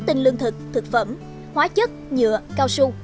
tinh lương thực thực phẩm hóa chất nhựa cao su